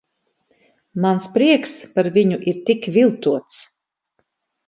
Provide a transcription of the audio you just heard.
Mans prieks par viņu ir tik viltots.